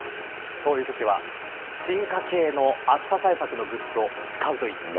そういうときは、進化形の暑さ対策のグッズを使うといいんです。